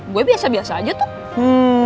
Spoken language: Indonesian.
gue biasa biasa aja tuh